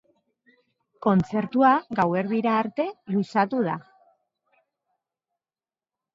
Kontzertua gauerdira arte luzatu da.